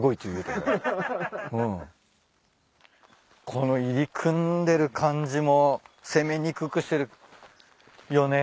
この入り組んでる感じも攻めにくくしてるよね。